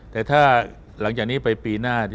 แต่ถ้าหลังจากนี้ไปปีหน้า